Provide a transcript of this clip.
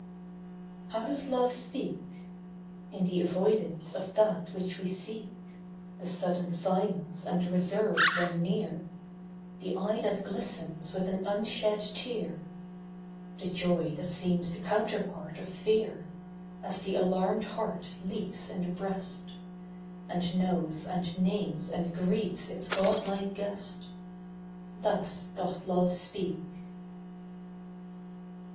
How does Love speak? In the avoidance of that which we seek The sudden silence and reserve when near The eye that glistens with an unshed tear The joy that seems the counterpart of fear, As the alarmed heart leaps in the breast, And knows and names and greets its godlike guest Thus doth Love speak.